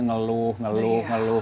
ngeluh ngeluh ngeluh